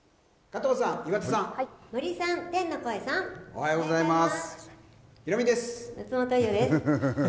おはようございます。